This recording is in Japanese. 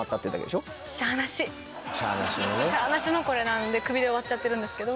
しゃあなしのこれなんで首で終わっちゃってるんですけど。